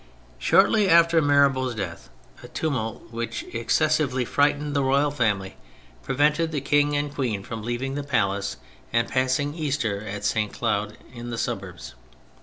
Shortly after Mirabeau's death a tumult, 108 THE FRENCH REVOLUTION which excessively frightened the royal family, prevented the King and Queen from leaving the palace and passing Easter at St. Cloud, in the suburbs.